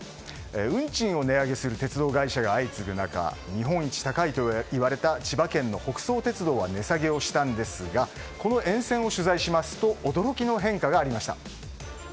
運賃を値上げする鉄道会社が相次ぐ中日本一高いと言われた千葉県の北総鉄道が値下げをしたんですがこの沿線を取材しますと驚きの変化がありました。